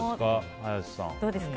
林さん。